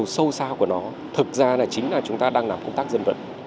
sâu xa của nó thực ra là chính là chúng ta đang làm công tác dân vận